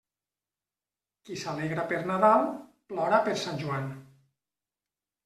Qui s'alegra per Nadal, plora per Sant Joan.